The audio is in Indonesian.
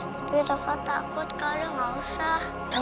tapi rafa takut kak udah gak usah